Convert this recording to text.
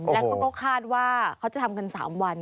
แล้วเขาก็คาดว่าเขาจะทำกัน๓วัน